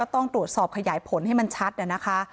ต้องตรวจสอบขยายผลให้มันชัดนะคะ